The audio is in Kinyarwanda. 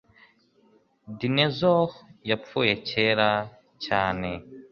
dinosaurs yapfuye kera cyane